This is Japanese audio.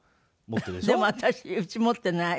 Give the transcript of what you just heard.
でも私うち持ってない。